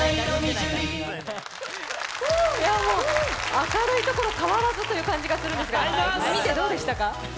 明るいところ、変わらずという感じですが、見てどうですか。